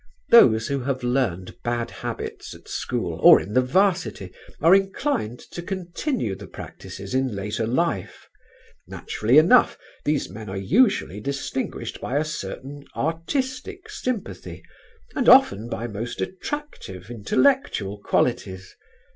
Those who have learned bad habits at school or in the 'Varsity are inclined to continue the practices in later life. Naturally enough these men are usually distinguished by a certain artistic sympathy, and often by most attractive, intellectual qualities.